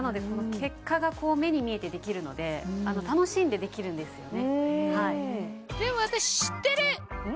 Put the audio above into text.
結果が目に見えてできるので楽しんでできるんですよね